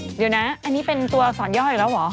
เดี๋ยวนะอันนี้เป็นตัวสอนย่ออีกแล้วเหรอ